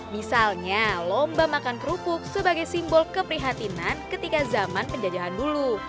misalnya lomba makan kerupuk sebagai simbol keprihatinan ketika zaman penjajahan dulu